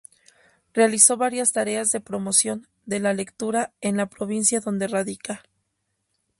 Realizó varias tareas de promoción de la lectura en la provincia donde radica.